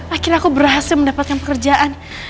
akhirnya aku berhasil mendapatkan pekerjaan